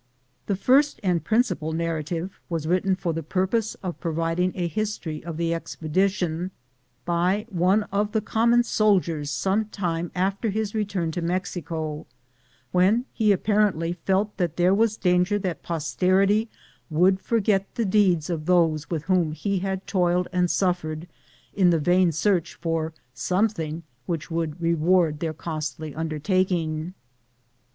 The first and prin cipal narrative was written for the purpose of providing a history of the expedition, by one of the common soldiers some time after his return to Mexico, when he apparently felt that there was danger that posterity would forget the deeds of those with whom ],!,r,z«j I:, Google THE JOURNEY OF CORONADO he had toiled and Buffered in the Tain search for something which would reward their costly undertaking.